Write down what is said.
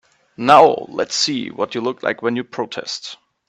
Now let's see what you look like when you protest.